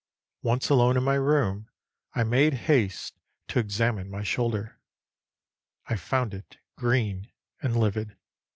Once alone in my room, I made haste to examine my shoulder. I found it green and livid.